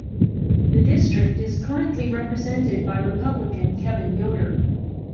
The district is currently represented by Republican Kevin Yoder.